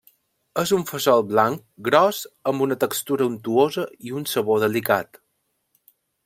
És un fesol blanc gros amb una textura untuosa i un sabor delicat.